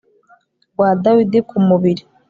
rwa Dawidi ku mubiri